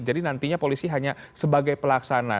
jadi nantinya polisi hanya sebagai pelaksana